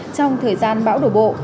trong thời gian bão đổ bộ